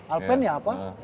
alpen ya apa